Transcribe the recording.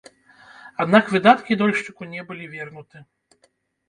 Аднак выдаткі дольшчыку не былі вернуты.